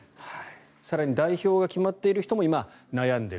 更に、代表が決まっている人も今悩んでいる。